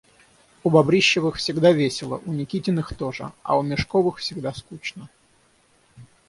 У Бобрищевых всегда весело, у Никитиных тоже, а у Межковых всегда скучно.